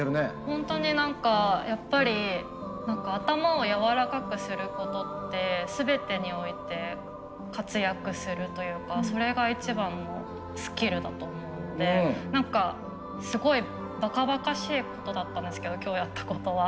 ホントに何かやっぱり頭をやわらかくすることって全てにおいて活躍するというかそれが一番のスキルだと思うので何かすごいばかばかしいことだったんですけど今日やったことは。